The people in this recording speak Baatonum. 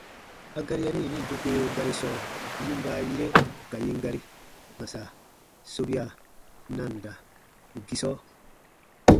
A gari yari yini dokeo gari sɔɔ, yin baayire ka yin gari: kpãsa- sobia- nanda-gisɔ.